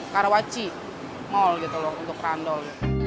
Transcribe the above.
karawaci mall gitu loh untuk randol